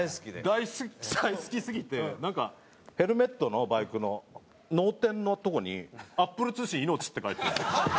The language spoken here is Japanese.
大好きすぎてなんかヘルメットのバイクの脳天のとこに「アップル通信命」って書いて。